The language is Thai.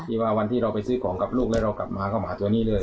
ว่าวันที่เราไปซื้อของกับลูกแล้วเรากลับมาก็หมาตัวนี้เลย